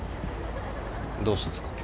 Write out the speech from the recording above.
どうしたんですか？